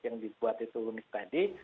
yang dibuat itu unik tadi